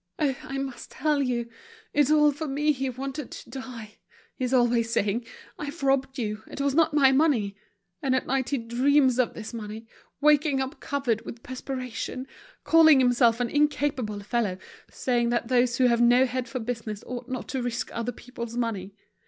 "Oh! I must tell you. It's all for me he wanted to die. He's always saying, 'I've robbed you; it was not my money.' And at night he dreams of this money, waking up covered with perspiration, calling himself an incapable fellow, saying that those who have no head for business ought not to risk other people's money.